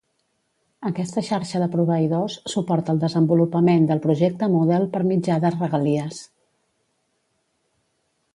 Aquesta xarxa de proveïdors suporta el desenvolupament del projecte Moodle per mitjà de regalies.